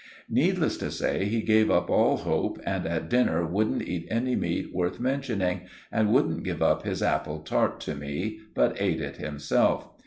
Needless to say, he gave up all hope, and at dinner wouldn't eat any meat worth mentioning, and wouldn't give up his apple tart to me, but ate it himself.